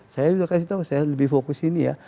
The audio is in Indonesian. saya sudah kasih tahu saya lebih fokus ini ya